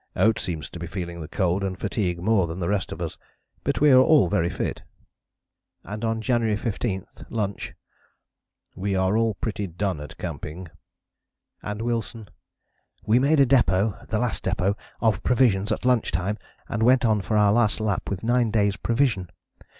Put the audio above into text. Oates seems to be feeling the cold and fatigue more than the rest of us, but we are all very fit." And on January 15, lunch: "We were all pretty done at camping." And Wilson: "We made a depôt [The Last Depôt] of provisions at lunch time and went on for our last lap with nine days' provision.